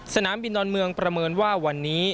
สนามบินดอนเมืองประเมินว่าวันนี้